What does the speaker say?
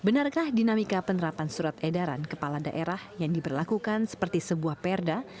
benarkah dinamika penerapan surat edaran kepala daerah yang diberlakukan seperti sebuah perda